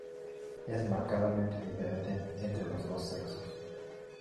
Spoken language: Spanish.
Es marcadamente diferente entre los dos sexos.